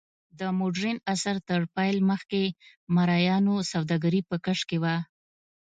د موډرن عصر تر پیل مخکې مریانو سوداګري په کش کې وه.